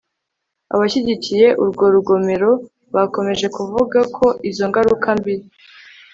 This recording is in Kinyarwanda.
abashyigikiye urwo rugomero bakomeje kuvuga ko izo ngaruka mbi